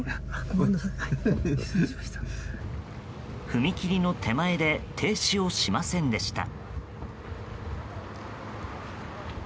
踏切の手前で停止をしませんでした。